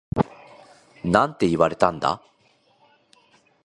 なんて言われたんだ？